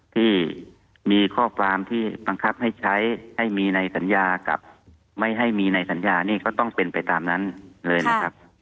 ที่มีข้อความที่บังคับให้ใช้ให้มีในสัญญากับไม่ให้มีในสัญญานี่ก็ต้องเป็นไปตามนั้นเลยนะครับ